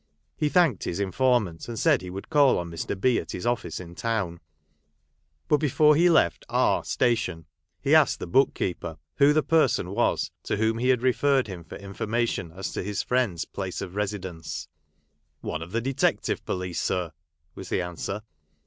He thanked his informant, and said he would call on Mr. B. at his office in town ; but before he left R station, he asked the book keeper who the person was to whom he had referred him for information as to his friend's place of. residence. " One of the Detective Police, sir," was the answer.